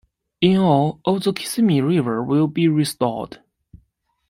In all, of the Kissimmee River will be restored.